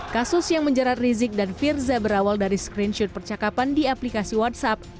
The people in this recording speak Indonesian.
kasus yang menjerat rizik dan firza berawal dari screenshot percakapan di aplikasi whatsapp